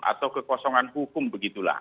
atau kekosongan hukum begitulah